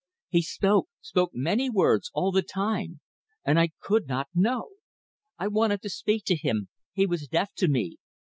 He spoke; spoke; many words. All the time! And I could not know! I wanted to speak to him. He was deaf to me.